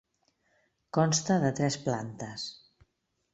Consta de tres plantes: